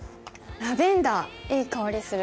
ラベンダーいい香りする。